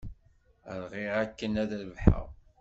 Rɣiɣ akken ad rebḥeɣ.